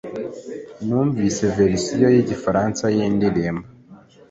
Numvise verisiyo y Igifaransa yiyi ndirimbo